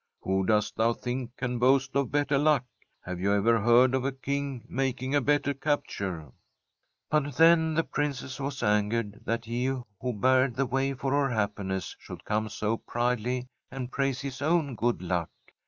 Who dost thou think can boast of better luck ? Have you ever heard of a King making a better capt ure ?"* But then the Princess was angered that he who barred the way for her happiness should come so proudly and praise his own good luck.